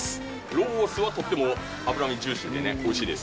ロースはとっても脂身がジューシーでおいしいです。